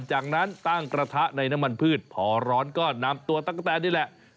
จากนั้นตั้งกระทะในน้ำมันพืชพอร้อนก็นำตัวตั๊กกะแตนนี่แหละ